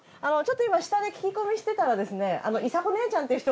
下で聞き込みしてたら。